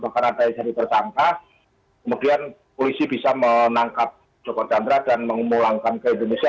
bahkan artinya dipertangkap kemudian polisi bisa menangkap jokowi andriadi dan mengulangkan ke indonesia